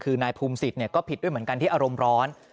คือนายภูมิศิษย์ก็ผิดด้วยเหมือนกันที่อารมณ์ร้อน